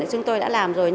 chúng tôi đã làm rồi